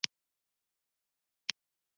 مصنوعي ځیرکتیا د ښوونکي رول تکمیلي کوي.